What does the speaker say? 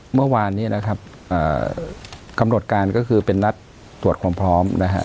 เมื่อวานนี้นะครับกำหนดการก็คือเป็นนัดตรวจความพร้อมนะฮะ